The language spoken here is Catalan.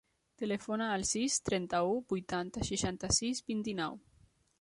Telefona al sis, trenta-u, vuitanta, seixanta-sis, vint-i-nou.